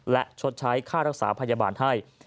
และชดใช้ค่ารักษาพยาบาลให้